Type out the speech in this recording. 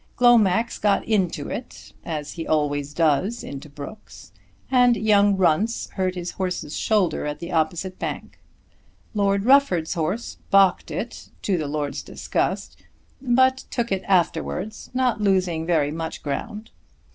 Glomax got into it, as he always does into brooks, and young Runce hurt his horse's shoulder at the opposite bank. Lord Rufford's horse balked it, to the Lord's disgust; but took it afterwards, not losing very much ground.